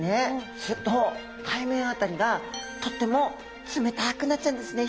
すると海面辺りがとっても冷たくなっちゃうんですね。